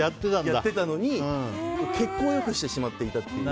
やってたのに血行を良くしてしまっていたという。